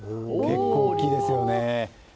大きいですよね。